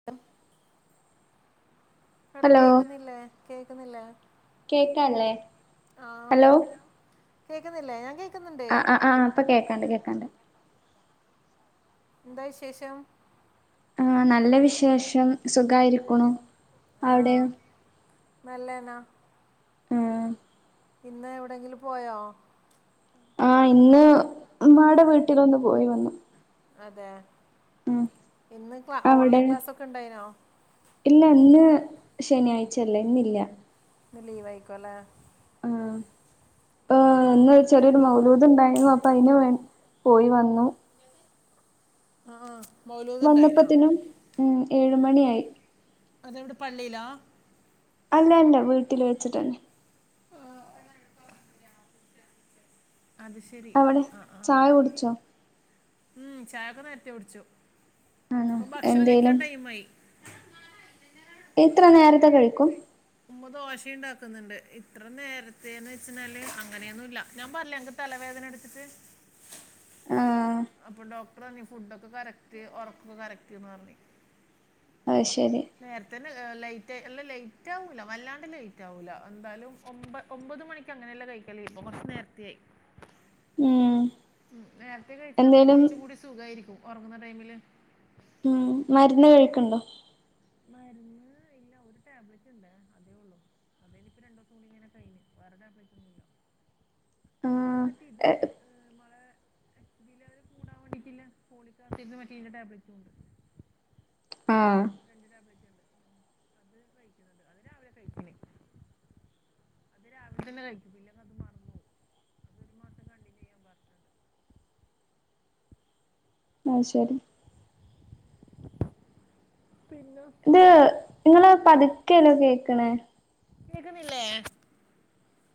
[inaudible] എവിട ഹലോ കേക്കുന്നില്ലേ കേക്കുന്നില്ലേ കേക്കാല്ലേ ഹലോ കേൾക്കുന്നില്ല ഞാൻ കേ ആഹ് ആഹ് ആഹ് അപ്പൊ കേക്കാണ്ട് കേക്കാണ്ട് എന്താ വിശേഷം ആ നല്ല വിശേഷം സുഖമായിരിക്കണു അവിടെയോ നല്ലന ഏഹ് ഇന്ന് എവിടെങ്കിലും പോയോ ആ ഇന്ന് ഉമ്മാടെ വീട്ടിലൊന്ന് പോയി വന്നു അതെ ഉം ഇന്ന് ക്ലാ അവിടെ ഓൺലൈൻ ക്ലാസ്സൊക്കെ ഉണ്ടായിനോ ഇല്ല അന്ന് ശനിയാഴ്ചയല്ലേ ഇന്നില്ല ലീവൈക്കോല ആ ആ [unintelligible] ചെറിയൊരു മൗലയദം ഉണ്ടായിരുന്നു അപ്പൊ അതിന് വേ പോയി വന്നു ആഹ് മൗലുത് വന്നപ്പത്തിനും ഉ ഏഴ മണിയായി അതെവിടെ പള്ളിയിലാ? അല്ല അല്ല വീട്ടിൽ വെച്ചിട്ടന്നെ അത് ശരി ആ ആ [unintelligible] ടിച്ചോ ഉം ചായൊക്കെ നേരത്തെകുടിച്ചു ആണോ ഇപ്പൊ ഭക്ഷണം എന്തേലും കഴിക്കാൻ ടൈം ആയി എത്ര നേരത്തെ കഴിക്കും ഉുമ്മ ദോശുണ്ടാക്കുന്നുണ്ട് ഇത്ര നേരത്തെേന്ന് വെച്ചാല് അങ്ങനെയൊന്നും ഇല്ല ഞാൻ പറ തലവേദന എടുത്തിട്ട് ആഹ അപ്പൊ ഡോക്ടർ പറ ഫുഡൊക്കെ കറക്റ്റ് ഉറക്കൊ കറക്റ്റ്ന്ന് പറഞ്ഞ അ ശരി നേരത്ത തന്നെ ലൈറ്റായി അല്ല ലേറ്റ് ആവൂല്ല വല്ലാണ്ട് ലേറ്റ് ആവൂല്ല എന്തായാലും ഒമ്പത് ഒമ്പത് മണിക്ക് അങ്ങനെയല്ല കഴിക്കല ഇപ്പംകുറച്ചു നേരത്തിയായി ഉം ഉ നേരത്തെ കഴിച്ചട്ട് നമുക്ക് എന്തേലും കുറച്ച കൂടി സുഖമായിരിക്കും ഉറങ്ങുന്ന ടൈമില് ഉം മരുന്ന് കഴക്കണ്ടോ? മരുന്ന് ഇല്ല ഒരു ടാബ്ലറ്റ് ഉണ്ട് അതേ ഉള്ളൂ അതായനി ഇപ്പൊ രണ്ട ദിവസം കൂടി ഇങ്ങനെ കഴി [unintelligible] വേറെ ടാബ്‌ലറ്റന്നുമില്ല പിന്നെ ആഹ് മറ്റ ഇതുണ്ട് ഏഹ് മ്മ്ള് തി അവര് കൂടാൻ വേണ്ടിട്ടില്ല പോളിക്കാസ മറ്റ ടാബലറ്റും ഉണ്ട് ആഹ രണ്ട് ടാബ്ലറ്റ് ഉണ്ട് അത് രാവിലെ കഴിക്കണേ അത് രാവിലെ തന്നെ കഴിക്കും പില്ല അത് മറന്നോ അതൊരു മാസം കണ്ടിന്യൂ ചെയ്യാൻ പറഞ്ഞു. ആ ശരി [inaudible] പിന്ന ഇത് നിങ്ങള് പതുക്കേല്ലോ കേക്കണേ? കേക്കുന്നില്ലേ?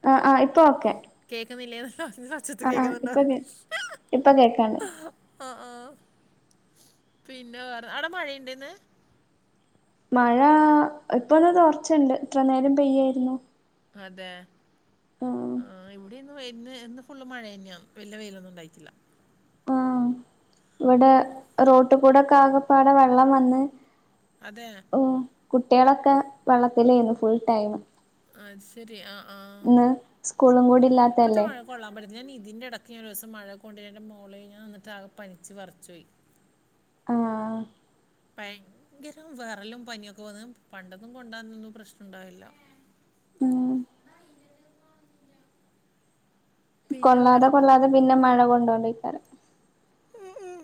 ആ ആ ഇപ്പ ഓക്കെ. കേൾക്കുന്നില്ല [inaudible] ആ ആ ഇപ്പൊ കേ ഇപ്പൊ കേക്കാണ് ആഹ ആഹ പിന്നെ വേറെ അവിടെ മഴയുണ്ടന്ന് മഴ ഇപ്പഒന്ന് തോർച്ചണ്ട് ഇത്ര നേരം പെയ്യാരുന്നു അതെ ആഹ് ഇവിടെ ഇന്ന് ഇന്ന് ഫുള്ള് മഴന്നെയാ വല്യ വെയിലൊന്നും ണ്ടായിട്ടില്ല ഇവ്ടെ റോട്ട്ക്കൂടെക്കെ ആകപ്പാടെ വെള്ളം വന്ന് അതെ കുട്ടികളൊക്കെ വെള്ളത്തില്ലായിന്നു ഫുൾ ടൈം. അത് ശെരി ആ ആ ഇന്ന് സ്കൂളും കൂടി ഇപ്പത്തെ ഇല്ലാത്തല്ലേ മഴ കൊള്ളാമ്പത്ത് ഞാൻ ഇതിൻ്റെടക്ക് ഞാൻ ഒരുസം മഴ കൊണ്ട് എന്റെ മോളെ ഞാൻ എന്നിട്ടാകെ പനിച്ച് വെറച്ച് പോയി ആഹ് ഭയങ്കര വെറലും പനിയൊക്കെ വന്ന് പണ്ടൊന്നും കൊണ്ടാ അതൊന്നും പ്രശ്നം ണ്ടാവില്ല ഉം പിന്നെ കൊള്ളാതെ വേറെന്താ കൊള്ളാതെ പിന്നെ മഴ കൊണ്ടോണ്ടയ്ക്കാരം. ഉം ഉം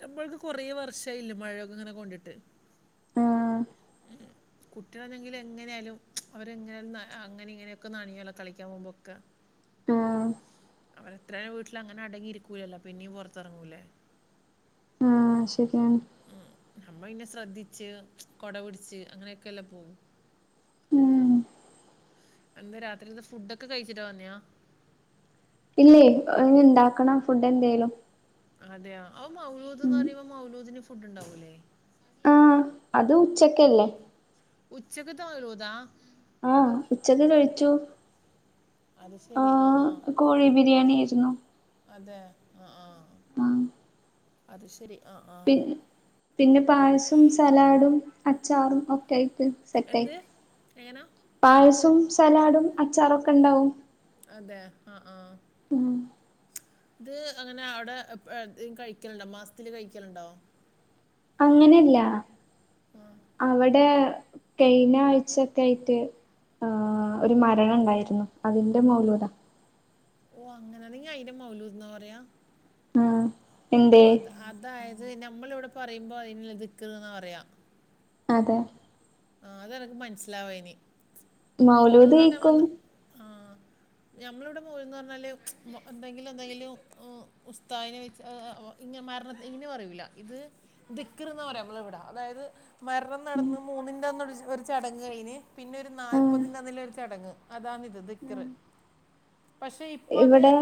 നമ്മൾക്ക് കൊറേ വർഷയില്ലേ മഴയൊക്കെ ഇങ്ങനെ കൊണ്ടിട്ട്. ആഹ് ഉം കുട്ടികളാണെങ്കില് എങ്ങനെയാലും അവരെങ്ങനാലും അങ്ങനെ ഇങ്ങനെയൊക്കെ നനയല്ലോ കളിക്കാൻ പോകുമ്പൊക്കെ ആ അവരെത്രയാലും വീട്ടിൽ അങ്ങനെ അടങ്ങിയിരിക്കൂലല്ലോ പിന്നെയും പുറത്തിറങ്ങൂലേ ആ ശെരിയാണ്. ഉം നമ്മ പിന്നെ ശ്രദ്ധിച്ച് കൊട പിടിച്ച് അങ്ങനെയൊക്കെല്ലെ പോവും ഉം എന്താ രാത്രിത്തെ ഫുഡ് ഒക്കെ കഴിച്ചിട്ട് വന്നയാ ഇല്ലേയ് പ്പ ഇങ്ങന്ണ്ടാക്കണം ഫുഡ് എന്തേലും അതെയൊ അ മൗലൂദ്ന്ന് ഉം പറയുമ്പോ മൗലൂദിന് ഫുഡ്ണ്ടാവൂലെ ആഹ് അത് ഉച്ചക്കല്ലേ ഉച്ചക്ക്ത്ത മൗലൂദാ ആഹ് ഉച്ചക്ക് കഴിച്ചു. അത് ശെരി അആ ആഹ് കോഴി ബിരിയാണി ആയിരുന്നു അതെ അ ആ മ അത് ശെരി. പിൻ പിനെ പായസോം സലാഡും അച്ചാറും ഒക്കായ്ട്ട് എന്ത് സെറ്റായ്ട്ട് എങ്ങനാ പായാസോം സലാഡും അച്ചാറൊക്കെണ്ടാവും. അതെ അ ആ ഉം ഇത് അങ്ങനെ അവ്ടെ എപ്പഴ്ത് കഴിക്കൽണ്ടോ മാസ്ത്തില് കഴിക്കലുണ്ടോ? അങ്ങനെല്ല അവടെ കയ്ഞ്ഞ ആഴ്ച്ചക്കായ്റ്റ് ആഹ് ഒര് മരണണ്ടായ്രുന്നു അതിന്റെ മൗലൂതാ ഓ അങ്ങനെ ന്നിങ്ങ അയ്നെ മൗലൂദ്ന്നാ പറയാ ആഹ് എന്തേ അത് അത് അതായത് നമ്മള്വ്ടെ പറയുമ്പോ അതിനിലെ ദിക്ക്റ് ന്നാ പറയാ അതെ ആ അതെനക്ക് മനസ്സിലാവായ്നീ മൗലൂദ് മൗലൂദ്ന്ന് പറഞാ കഴിക്കും ഞമ്മെന്താ ആഹ് ഞമ്മള്വ്ടെ മൗലൂദ് ന്നർഞ്ഞാല് ച് എന്തെങ്കിലും എന്തെങ്കിലും ഉ ഉസ്തായ്നെ വെച്ച് ഏ വൊ ഇങ്ങ മരണത്തി ഇങ്ങനെ പറയൂല ഇത് ദിക്ക്റ്ന്നാ പറയാ നമ്മളിവ്ടെ അതായത് മരണം നടന്ന് മൂന്നിൻ്റെഅന്ന് ഒര് ഒര്ചടങ്ങ് കഴിയിണ് പിനൊര് ആഹ് നാൽപ്പതിൻ്റെഅന്ന്ലൊര് ചടങ്ങ് അതാന്നിത് ദിക്ക്റ് പഷേ ഇപ്പഅത് ഇവിടെ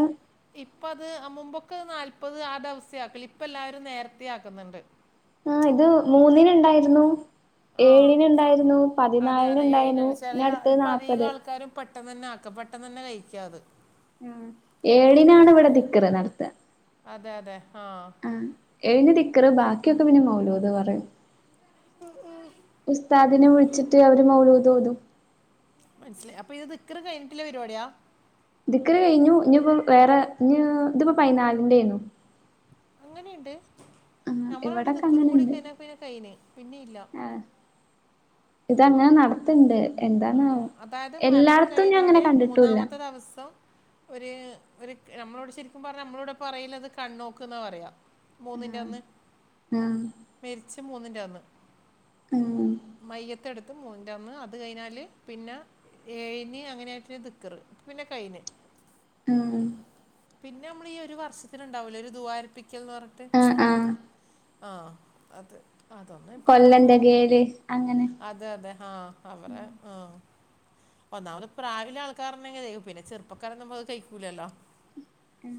ഇപ്പഅത് അ മുമ്പൊക്കെ അത് നാല്പ്പത് ആ ദിവസെ ആക്കല് ഇപ്പം എല്ലാരും നേര്ത്തെ ആക്ക്ന്ന് ണ്ട് ആ ഇത് മൂന്നിന്ണ്ടായിരുന്നു ആ ഏഴിന്ണ്ടായ്രുന്നു അതെ അതെ പതിന്നാലിന്ണ്ടായ്ന്നു ഇനി അടുത്തത് നാല്പത് പെട്ടെന്നനെ ആക്കാ പെട്ടന്നനെ കയ്ക്കാ അത്. ഏഴിനാണ് ഇവ്ടെ ദിക്റ് ന്നടത്ത അതെ അതെ ആഹ്.. ആ ഏഴിന് ദിക്കറ് ബാക്കിഒക്കെ പിനെ മൗലൂദ് പറയും. ഉസ്താദിനെ വിളിച്ചിട്ട് അവര് മൗലൂതോതും. മനസ്സിലായി അപ്പ ഇത് ദിക്ക്റ് കയ്ഞ്ഞിട്ടില്ല പരിപാടിയാ.. ദിക്കറ് കയ്ഞ്ഞു ഇനിപ്പം വേറെ ഇഞ് ഇതിപ്പ പയ്ന്നാലിന്റെണ്... ഇങ്ങന്ണ്ട് ആ നമ്മളവടെ ഇവിടൊക്കെ ദിക്ക്റും കൂടി അങ്ങനെണ്ട് കൈഞ്ഞ പിനെ കൈന് പിനെഇല്ല ആ ഇതങ്ങനെ ന്നടത്ത്ണ്ട്. അതെയ അതായത് മരണം അങ്ങനെ കയ്ഞ്ഞാല് കണ്ടിട്ടൂല്ല മൂന്നാമത്ത ദിവസം ഒര് ഒര് നമ്മളോട് ശരിക്കും പറഞ്ഞ നമ്മള്വ്ടെ പറയ്ലത് കണ്ണോക്ക്ന്നാ പറയാ.. മൂന്നിൻന്റെ ആ അന്ന് ആ മെരിച്ച മൂന്നിന്റെ അന്ന്.. ഉം മയ്യത്തെടുത്ത് മൂന്നിന്റന്ന് അത് കയ്ഞാ ല് പിനാ ഏഴിന് അങ്ങനെ ആയ്ട്ട് ദിക്കറ് പിന്നെ കൈഞ് ഉം പിനമ്മളീ ഈ ഒരു വർഷത്തിലുണ്ടാവൂലോ ഒരു ദൂആർപ്പിക്കൽന്ന് പറഞ്ട്ട് ആ ആ അത്.. ആഹ അത് അതൊന്ന് ഇപ്പ എനക്ക് കൊല്ലം തോന്നും തികയല് അങ്ങനെ അത് അതെ അതെ ആഹ അവരെ ആഹ ഒന്നാമത് പ്രാവില്ല ആൾക്കാറ്ണ്ടങ്ങ ചെയ്യും പിനെ ചെറുപ്പക്കാറൊന്നും വഅ ചെയ്ക്കൂലല്ലോ.. ആ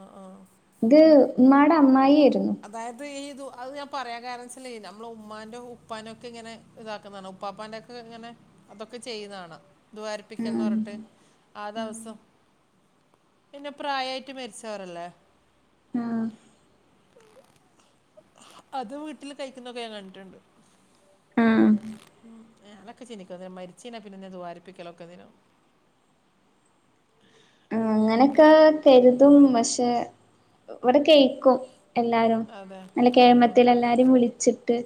ആഹ് ആഹ് ഇത് ഉമ്മാടെ അമ്മായാര്ന്നു.. അതായത് ഈ ഇത് അത് ഞാൻ പറയാൻ കാരണച്ചാല്, നമ്മളെ ഉമ്മാൻ്റെ ഉപ്പാനെയൊക്കെ ഇങ്ങനെ ഇതാക്ക്ന്ന കാണാ. ഉപ്പാപ്പാൻ്റെ ക്കെ ഇങ്ങനെ. അതൊക്കെ ചെയ്യ്ന്ന കാണാ. ദുആ ഇരപ്പിക്കൽന്ന് പറഞ്ഞിട്ട്. ആ ദെവസം. പിന്നെ പ്രായായിട്ട് മരിച്ചവരല്ലേ. ഉം അത് വീട്ടില് കഴിക്കുന്നൊക്കെ ഞാൻ കണ്ടിട്ട്ണ്ട്. ആ ആ ഉം. ഞാനൊക്കെ ചിന്തിക്കു അന്നേരം മരിച്ചയിഞ്ഞാ പിന്നെന്തിനാ ദുആ ഇരപ്പിക്കലൊക്കെ എന്തിനാന്ന്. ഉം അങ്ങനൊക്കെ കരുതും പക്ഷെ, ഇവിടെ കയ്ക്കും എല്ലാരും. അതെ നല്ല അതെ കേമത്തിലെല്ലാരെയും വിളിച്ചിട്ട്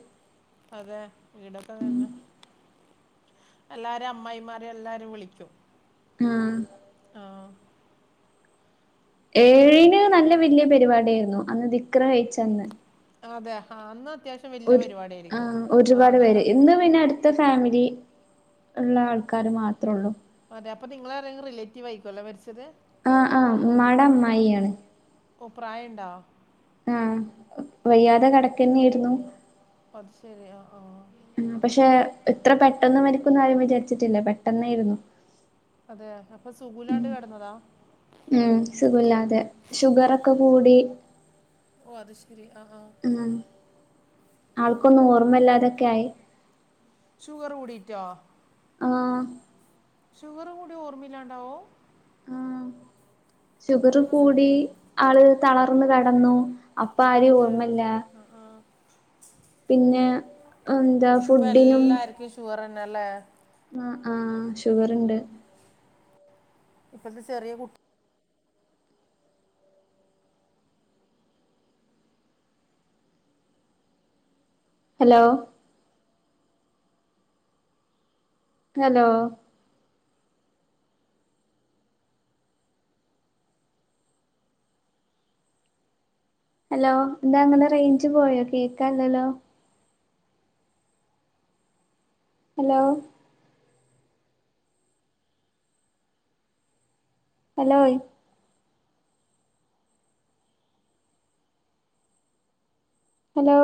അതെ. ഈടൊക്കെ അങ്ങന്നെ. എല്ലാരെ അമ്മായിമാരെയും എല്ലാരെയും വിളിക്കും ആഹ് ആഹ് ഏഴിന് നല്ല വലിയ പരിപാടിയായിരുന്നു. അന്ന് ദിക്റ് കഴിച്ചന്ന്. അതെ ഹാ അന്ന ഒരു ആ ഒരുപാട് അങ്ങനെ പേര് ഇന്ന് പിന്നെ അട്ത് ത്ത ഫാമിലി ഇള്ള ആൾക്കാര് മാത്രേ ഇള്ളൂ. അതെ. അപ്പൊ നിങ്ങളെ ആരെങ്കിലും റിലേറ്റീവ് ആയിരിക്കു അല്ലേ മരിച്ചത്? ആഹ് ആഹ് ഉമ്മാട അമ്മായിയാണ്. ഓഹ് പ്രായണ്ടാ? ആഹ് വയ്യാതെ കെടക്കെന്നായിരുന്നു. അത്ശരി ആഹ് ആഹ് ഉം പക്ഷെ ഇത്ര പെട്ടെന്ന് മരിക്കുംന്ന് ആരും വിചാരിച്ചിട്ടില്ല. പെട്ടെന്നേര്ന്നു. അതേ? അപ്പൊ സുഖുല്ലാണ്ട് കെടന്നതാ? ഉം സുഖുല്ലാതെ. ഷുഗറൊക്കെ കൂടി ഓ അത് ശെരി ആഹ് ആഹ് ഉം. ആൾക്കൊന്നും ഓർമ്മല്ലാതൊക്കെ ആയി. ഷുഗറ് കൂടീറ്റാ? ആഹ് ഷുഗറ് കൂടിയാ ഓർമ്മില്ലാണ്ടാവൂ? ഷുഗറ് അങ്ങനെയൊക്കെ സ- കൂടി, ആള് തളർന്നു കെടന്നു. അപ്പ ആരെയും ഓർമ്മല്ല. ആഹ് ആഹ്. പിന്നെ, എന്താ ഫുഡ്ഡിനും ഷുഗറന്നെ അല്ലേ? ആഹ് ആഹ് ഷുഗറ്ണ്ട്. ഇപ്പത്തെ ചെറിയ കു ഹലോ? ഹലോ? ഹലോ? എന്താ ഇങ്ങളെ റേഞ്ച് പോയോ? കേക്കാ ഇല്ലല്ലോ? ഹലോ? ഹലോയ്? ഹലോ?